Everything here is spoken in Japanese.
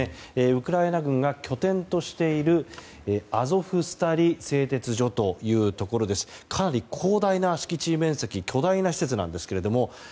ウクライナ軍が拠点としているアゾフスタリ製鉄所というところかなり広大な敷地面積巨大な施設なんですが。